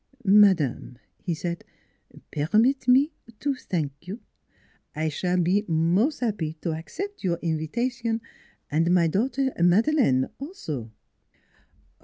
" Madame" he said, " permit me to t'ank you. NEIGHBORS 205 I s'all be mos' happy to accept your invitation, my daughter Madeleine also."